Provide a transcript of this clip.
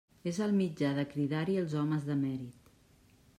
És el mitjà de cridar-hi els homes de mèrit.